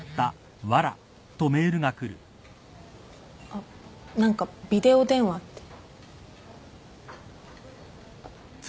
あっ何かビデオ電話って。